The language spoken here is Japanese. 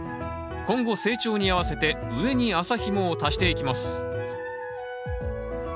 今後成長に合わせて上に麻ひもを足していきます